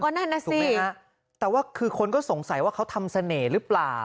นั่นน่ะสิฮะแต่ว่าคือคนก็สงสัยว่าเขาทำเสน่ห์หรือเปล่า